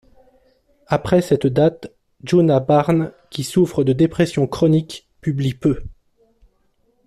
Après cette date Djuna Barnes, qui souffre de dépression chronique, publie peu.